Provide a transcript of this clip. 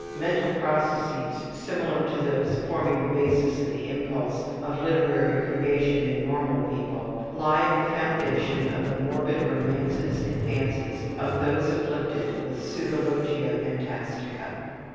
Mental processes similar to those forming the basis of the impulse to literary creation in normal people lie at the foundation of the morbid romances and fancies of those afflicted with pseudologia phantastica.